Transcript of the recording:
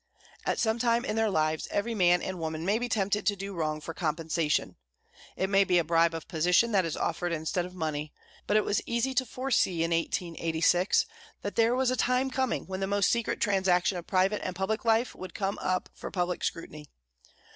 At some time in their lives, every man and woman may be tempted to do wrong for compensation. It may be a bribe of position that is offered instead of money; but it was easy to foresee, in 1886, that there was a time coming when the most secret transaction of private and public life would come up for public scrutiny.